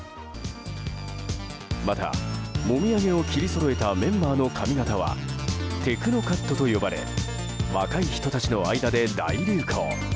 また、もみあげを切りそろえたメンバーの髪形はテクノカットと呼ばれ若い人たちの間で大流行。